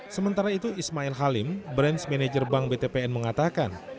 sementara itu ismail halim branch manager bank btpn mengatakan